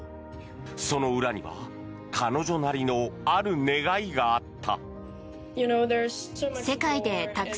その裏には彼女なりのある願いがあった。